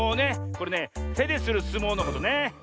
これねてでするすもうのことね。